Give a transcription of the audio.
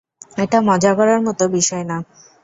এটা মজা করার মত বিষয় না।